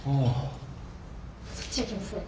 そっち行きますね。